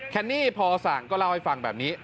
แนนนี่พอสั่งก็เล่าให้ฟังแบบนี้